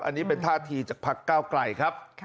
อันนี้เป็นท่าทีจากพักเก้าไกลครับ